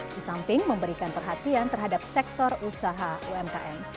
di samping memberikan perhatian terhadap sektor usaha umkm